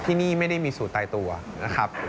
ที่นี่ไม่ได้มีสูตรตายตัวนะครับ